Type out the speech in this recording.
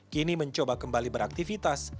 kini mencoba kembali beraktivitas